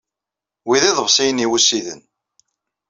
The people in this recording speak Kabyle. Wi d iḍebsiyen-inu ussiden.